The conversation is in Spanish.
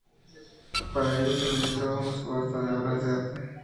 Para ellos se realizó una subasta de obras de arte.